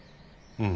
うん。